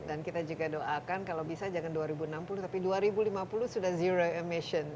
dan kita juga doakan kalau bisa jangan dua ribu enam puluh tapi dua ribu lima puluh sudah zero emission